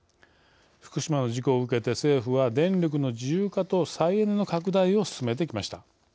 福島の事故を受けて政府は電力の自由化と再エネの拡大を進めてきました。